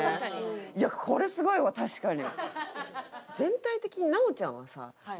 いやこれすごいわ確かに。